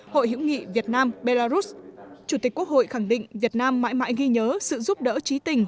hội hữu nghị việt nam belarus chủ tịch quốc hội khẳng định việt nam mãi mãi ghi nhớ sự giúp đỡ trí tình